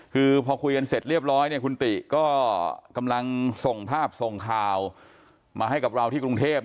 คือพอคุยกันเสร็จเรียบร้อยคุณติก็กำลังส่งภาพส่งข่าวมาให้กับเราที่กรุงเทพ